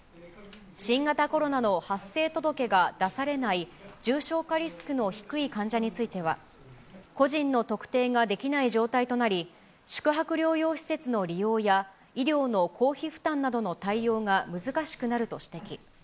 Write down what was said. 新型コロナの発生届が出されない重症化リスクの低い患者については、個人の特定ができない状態となり、宿泊療養施設の利用や、医療の公費負担などの対応が難しくなると指摘。